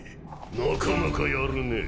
なかなかやるねぇ。